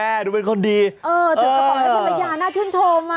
เออถือกระเป๋าให้ภรรยาน่าชื่นชมมาก